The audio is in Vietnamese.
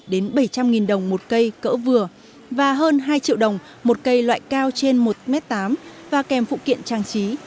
đến bảy trăm linh đồng một cây cỡ vừa và hơn hai triệu đồng một cây loại cao trên một m tám và kèm phụ kiện trang trí